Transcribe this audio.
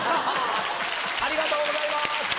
ありがとうございます！